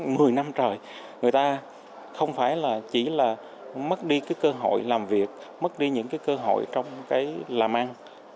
mười năm trời người ta không phải là chỉ là mất đi cái cơ hội làm việc mất đi những cái cơ hội trong cái làm ăn